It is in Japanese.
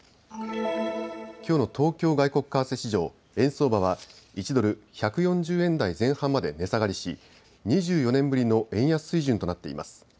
きょうの東京外国為替市場、円相場は１ドル１４０円台前半まで値下がりし２４年ぶりの円安水準となっています。